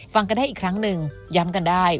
ฟังกันได้อีกครั้งหนึ่งย้ำกันได้